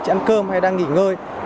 ăn cơm hay đang nghỉ ngơi